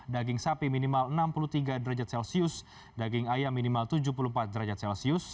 daging sapi minimal enam puluh tiga derajat celcius daging ayam minimal tujuh puluh empat derajat celcius